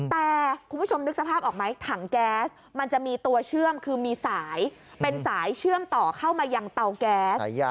แต่คุณผู้ชมนึกสภาพออกไหมถังแก๊สมันจะมีตัวเชื่อมคือมีสายเป็นสายเชื่อมต่อเข้ามายังเตาแก๊ส